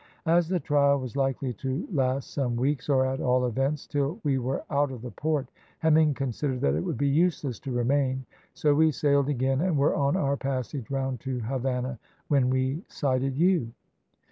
As the trial was likely to last some weeks, or, at all events, till we were out of the port, Hemming considered that it would be useless to remain, so we sailed again, and were on our passage round to Havannah when we sighted you."